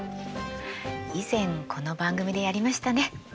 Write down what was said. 以前この番組でやりましたね。